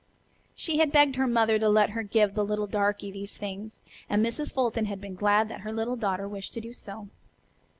She had begged her mother to let her give the little darky these things, and Mrs. Fulton had been glad that her little daughter wished to do so.